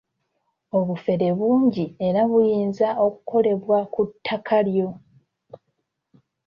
Obufere bungi era buyinza okukolebwa ku ttaka lyonna.